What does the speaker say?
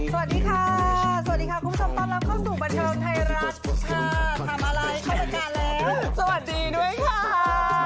สวัสดีค่ะสวัสดีค่ะคุณผู้ชมต้อนรับเข้าสู่บันเชิงไทยรัฐ